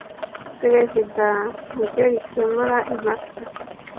Perezida ni ryo rikemura impaka